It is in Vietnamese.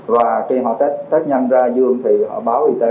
và khi họ test nhanh ra dương thì họ báo y tế